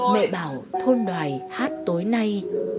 mẹ bảo thôn đoài hát tối nay